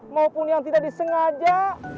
maupun yang tidak disengaja